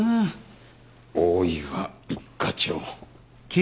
大岩一課長。